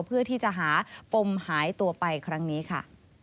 เพื่อที่จะหาปมหายตัวไปครั้งนี้ค่ะ